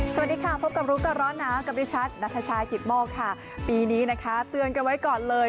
สวัสดีค่ะพบกับรู้ก่อนร้อนหนาวกับดิฉันนัทชายกิตโมกค่ะปีนี้นะคะเตือนกันไว้ก่อนเลย